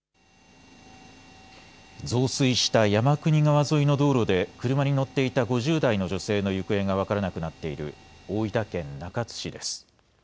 増水した山国川沿いの道路で車に乗っていた５０代の女性の行方が分からなくなっている大分県中津市です。